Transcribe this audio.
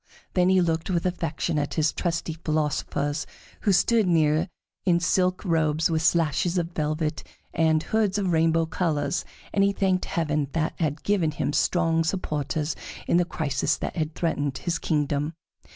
Then he looked with affection at his trusty philosophers who stood near in silk robes with slashes of velvet and hoods of rainbow colors, and he thanked heaven that had given him strong supporters in the crisis that had threatened his kingdom.